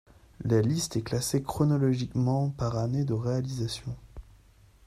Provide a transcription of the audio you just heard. La liste est classée chronologiquement par année de réalisation.